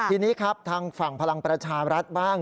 ทีนี้ครับทางฝั่งพลังประชารัฐบ้าง